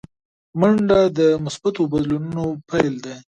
منډه د مثبتو بدلونونو پیل دی